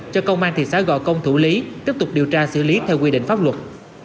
cho công an thị xã gò công thủ lý tiếp tục điều tra xử lý theo quy định pháp luật